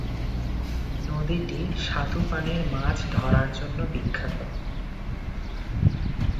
নদীটি স্বাদুপানির মাছ ধরার জন্য বিখ্যাত।